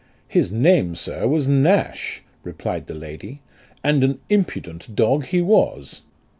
"His name, sir, was Nash," replied the lady, " and an impudent dog he was."